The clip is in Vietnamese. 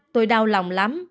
tôi đau lòng lắm